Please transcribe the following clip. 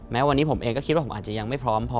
แม้วันนี้ผมเองก็คิดว่าผมอาจจะยังไม่พร้อมพอ